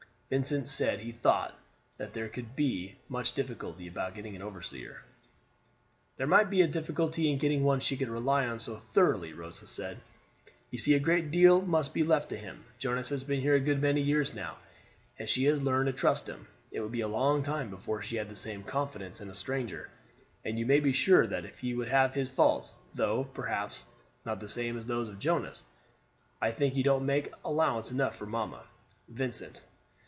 Vincent said he thought that there could not be much difficulty about getting an overseer. "There might be a difficulty in getting one she could rely on so thoroughly," Rosa said. "You see a great deal must be left to him. Jonas has been here a good many years now, and she has learned to trust him. It would be a long time before she had the same confidence in a stranger; and you may be sure that he would have his faults, though, perhaps, not the same as those of Jonas. I think you don't make allowance enough for mamma, Vincent.